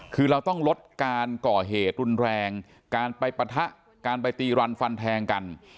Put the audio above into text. คือเราต้องลดการก่อเหตุรุนแรงการไปปะทะการไปตีรันฟันแทงกัน